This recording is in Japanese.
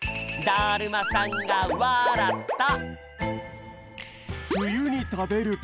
だるまさんがわらった！